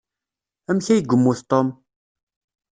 Amek ay yemmut Tom?